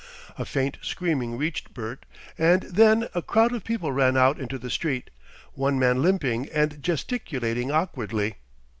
A faint screaming reached Bert, and then a crowd of people ran out into the street, one man limping and gesticulating awkwardly.